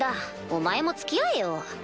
お前も付き合えよ。